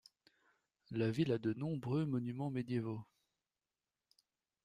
La ville a de nombreux monuments médiévaux.